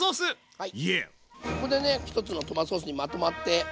はい。